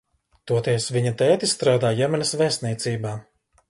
Toties viņa tētis strādā Jemenas vēstniecībā.